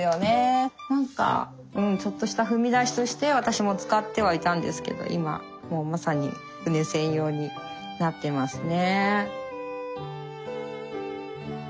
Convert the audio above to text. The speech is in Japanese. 何かちょっとした踏み台として私も使ってはいたんですけど今もうまさに羽根専用になってますね。